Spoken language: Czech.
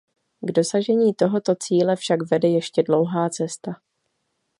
K dosažení tohoto cíle však vede ještě dlouhá cesta.